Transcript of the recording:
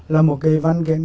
là một cái văn kiến